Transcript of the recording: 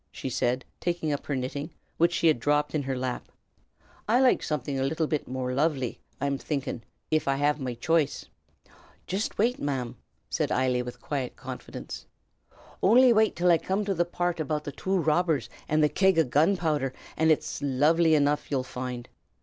she said, taking up her knitting, which she had dropped in her lap. "I'd loike somethin' a bit more loively, I'm thinkin', av I had me ch'ice." "Jist wait, ma'm!" said Eily, with quiet confidence, "ownly wait till I coom to the parrt about the two robbers an' the keg o' gunpowdther, an' its loively enough ye'll foind ut.